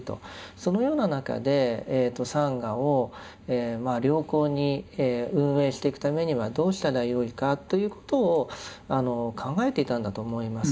そのような中でサンガを良好に運営していくためにはどうしたらよいかということを考えていたんだと思います。